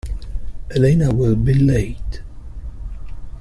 Elena will be late.